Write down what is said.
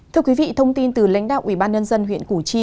thưa quý vị thông tin từ lãnh đạo ủy ban nhân dân huyện củ chi